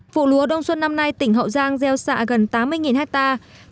vụ lúa đông xuân năm nay tỉnh hậu giang gieo xạ gần tám mươi hectare